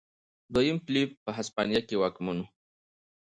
دویم فلیپ په هسپانیا کې واکمن و.